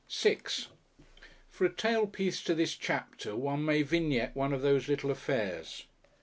§6 For a tailpiece to this chapter one may vignette one of those little affairs.